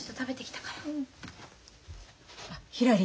あっひらり。